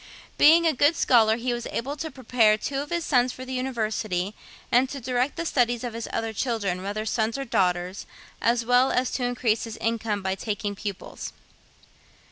Being a good scholar he was able to prepare two of his sons for the University, and to direct the studies of his other children, whether sons or daughters, as well as to increase his income by taking pupils.